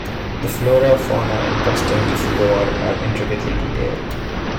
The flora, fauna, and customs of Gor are intricately detailed.